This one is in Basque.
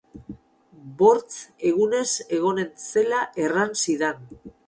Bortz egunez egonen zela erran zidan.